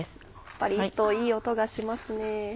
パリっといい音がしますね。